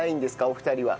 お二人は。